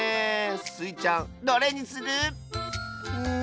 スイちゃんどれにする？